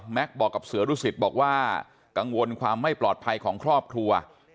บอกกับเสือดุสิตบอกว่ากังวลความไม่ปลอดภัยของครอบครัว